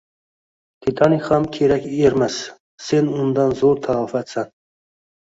Titonik ham kerak ermas, sen undan zo‘r talofatsan.